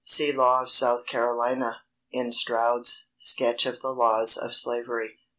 _ See law of South Carolina, in Stroud's "Sketch of the Laws of Slavery," p.